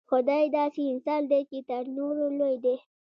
خدای داسې انسان دی چې تر نورو لوی دی.